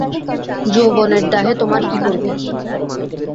যৌবনের দাহে তোমার কী করবে?